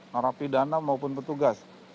nerapi dana maupun petugas